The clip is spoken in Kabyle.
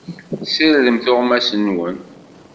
Sirdem tuɣmas-nwen!